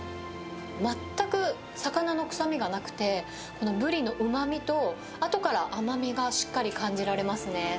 全く魚の臭みがなくて、このブリのうまみと、あとから甘みがしっかり感じられますね。